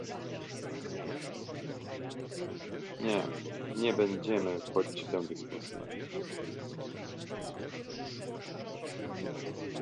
Nie, nie będziemy wchodzić w tę dyskusję